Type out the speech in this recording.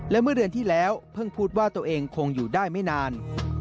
และเมื่อเดือนที่แล้วเพิ่งพูดว่าตัวเองคงอยู่ได้ไม่นาน